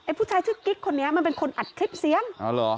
ผู้ชายชื่อกิ๊กคนนี้มันเป็นคนอัดคลิปเสียงอ๋อเหรอ